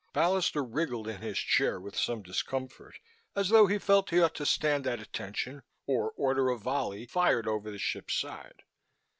Ballister wriggled in his chair with some discomfort, as though he felt he ought to stand at attention or order a volley fired over the ship's side.